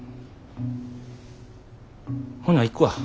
ほな行くわ。